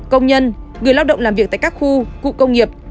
công nhân người lao động làm việc tại các khu cụ công nghiệp